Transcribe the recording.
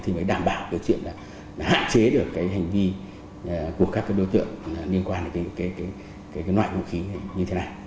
thì mới đảm bảo cái chuyện là hạn chế được cái hành vi của các đối tượng liên quan đến cái loại vũ khí như thế này